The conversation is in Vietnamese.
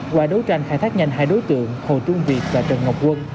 qua đấu tranh khai thác nhanh hai đối tượng hồ trung việt và trần ngọc quân